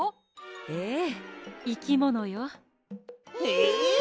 ええいきものよ。え！？